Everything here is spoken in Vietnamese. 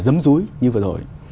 giấm rúi như vừa rồi